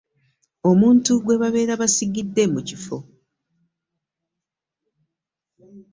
Omuntu gwe babeera basigidde mu kifo .